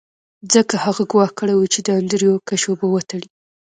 ځکه هغه ګواښ کړی و چې د انډریو کشو به وتړي